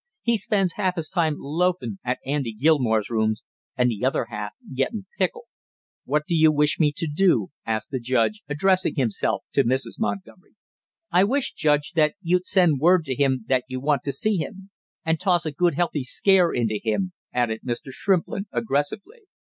He spends half his time loafin' at Andy Gilmore's rooms, and the other half gettin' pickled." "What do you wish me to do?" asked the judge, addressing himself to Mrs. Montgomery. "I wish, Judge, that you'd send word to him that you want to see him!" "And toss a good healthy scare into him!" added Mr. Shrimplin aggressively.